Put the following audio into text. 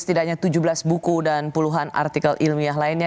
setidaknya tujuh belas buku dan puluhan artikel ilmiah lainnya